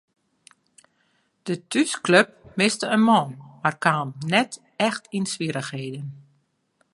De thúsklup miste in man mar kaam net echt yn swierrichheden.